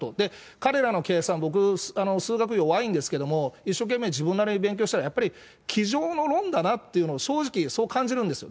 彼らの計算、僕、数学弱いんですけれども、一生懸命自分なりに勉強したら、やっぱり机上の論だなっていうのを、正直、そう感じるんですよ。